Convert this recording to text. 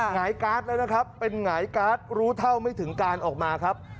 หายการ์ดแล้วนะครับเป็นหงายการ์ดรู้เท่าไม่ถึงการออกมาครับ